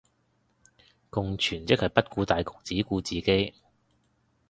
共存即係不顧大局只顧自己